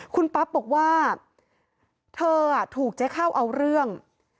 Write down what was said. คุณปั๊บบอกว่าเธอถูกเจ๊ข้าวเอาเรื่อง